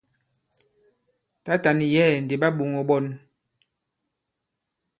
Tǎtà nì yɛ̌ɛ̀ ndi ɓa ɓōŋō ɓɔn.